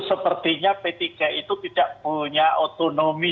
sepertinya p tiga itu tidak punya otonomi